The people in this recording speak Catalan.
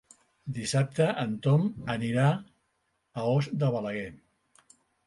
Dissabte en Tom anirà a Os de Balaguer.